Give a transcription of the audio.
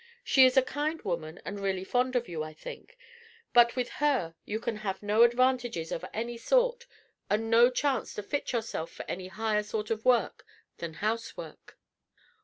She is a kind woman and really fond of you, I think; but with her you can have no advantages of any sort, and no chance to fit yourself for any higher sort of work than house work.